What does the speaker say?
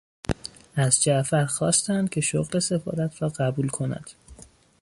از جعفر خواستند که شغل سفارت را قبول کند.